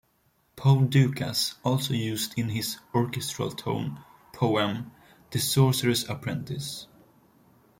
Paul Dukas also used it in his orchestral tone poem "The Sorcerer's Apprentice".